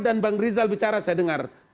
dan bang rizal bicara saya dengar